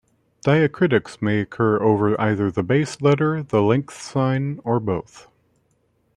Diacritics may occur over either the base letter, the length sign, or both.